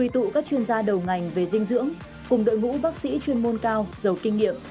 đầu ngành về dinh dưỡng cùng đội ngũ bác sĩ chuyên môn cao giàu kinh nghiệm